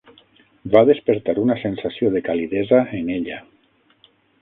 Va despertar una sensació de calidesa en ella.